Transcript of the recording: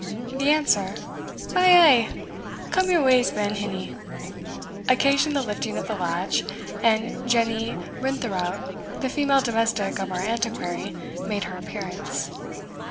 The answer, "Ay, ay, come your ways ben, hinny," occasioned the lifting of the latch, and Jenny Rintherout, the female domestic of our Antiquary, made her appearance.